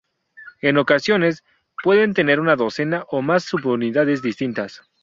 En ocasiones, pueden tener una docena o más subunidades distintas.